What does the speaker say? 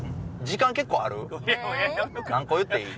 何個言っていい？